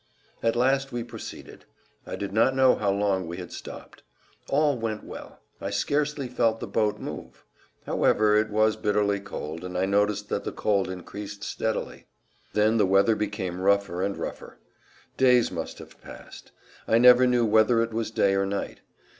At last we proceeded; I did not know how long we had stopped. All went well; I scarcely felt the boat move. However, it was bitterly cold, and I noticed that the cold increased steadily. Then the weather became rougher and rougher. Days must have passed. I never knew whether it was day or night.